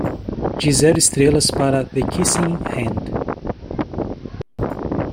Dê zero estrelas para The Kissing Hand